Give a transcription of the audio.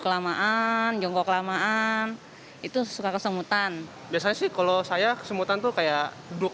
kelamaan jongkok kelamaan itu suka kesemutan biasanya sih kalau saya kesemutan tuh kayak duduk